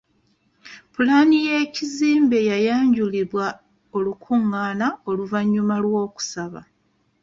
Pulaani y'ekizimbe yayanjulibwa olukungaana oluvannyuma lw'okusaba.